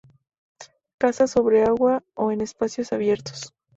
Caza sobre el agua o en espacios abiertos.